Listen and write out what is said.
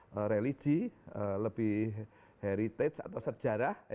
lebih religi lebih heritage atau sejarah